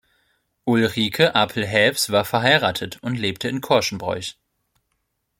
Ulrike Apel-Haefs war verheiratet und lebte in Korschenbroich.